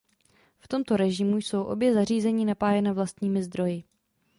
V tomto režimu jsou obě zařízení napájena vlastními zdroji.